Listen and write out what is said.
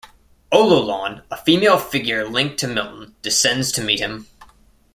Ololon, a female figure linked to Milton, descends to meet him.